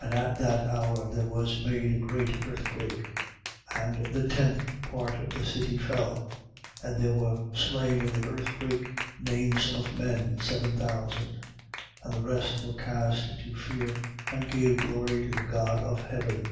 11:13. And at that hour there was made a great earthquake: and the tenth part of the city fell. And there were slain in the earthquake, names of men, seven thousand: and the rest were cast into a fear and gave glory to the God of heaven.